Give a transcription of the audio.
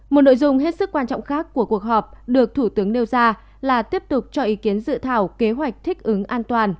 một nội dung hết sức quan trọng khác của cuộc họp được thủ tướng nêu ra là tiếp tục cho ý kiến dự thảo kế hoạch thích ứng an toàn